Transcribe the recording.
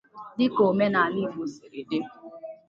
dịka omenala Igbo siri dị.